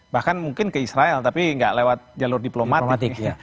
bahkan mungkin ke israel tapi nggak lewat jalur diplomatik